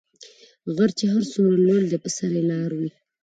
غر چی هر څومره لوړ دي په سر یي لار وي .